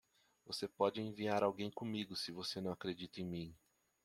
Você pode enviar alguém comigo se você não acredita em mim!